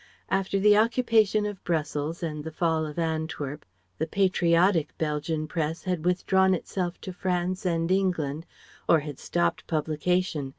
After the occupation of Brussels and the fall of Antwerp, the "patriotic" Belgian Press had withdrawn itself to France and England or had stopped publication.